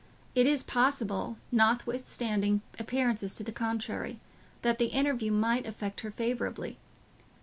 It is just possible, notwithstanding appearances to the contrary, that the interview might affect her favourably.